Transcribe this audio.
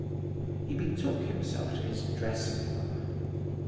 He betook himself to his dressing room.